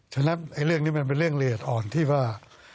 ฉะนั้นเรื่องนี้มันเป็นเรื่องละเอียดอ่อนที่ว่า